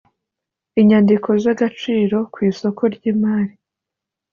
inyandiko z agaciro ku isoko ry imari